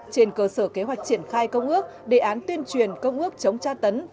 trên cơ sở kế hoạch triển khai công ước đề án tuyên truyền công ước chống tra tấn